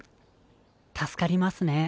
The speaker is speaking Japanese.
助かりますね。